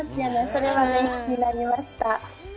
それは勉強になりました。